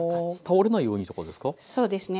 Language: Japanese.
倒れないようにってことですか？